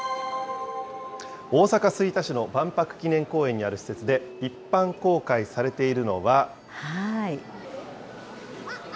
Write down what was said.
大阪・吹田市の万博記念公園にある施設で一般公開されているのは。